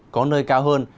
có nơi cao hơn